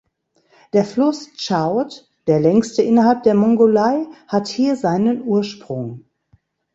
Der Fluss Chowd (der längste innerhalb der Mongolei) hat hier seinen Ursprung.